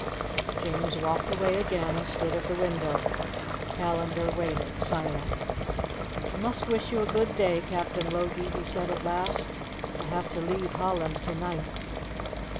James walked away again and stood at the window. Callandar waited, silent. "I must wish you a good day, Captain Logie," he said at last, "I have to leave Holland to night."